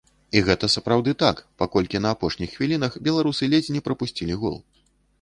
І гэта сапраўды так, паколькі на апошніх хвілінах беларусы ледзь не прапусцілі гол.